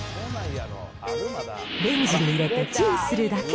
レンジに入れてチンするだけ。